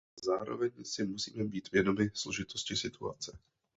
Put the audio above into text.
Zároveň si musíme být vědomi složitosti situace.